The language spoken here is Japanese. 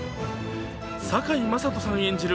堺雅人さん演じる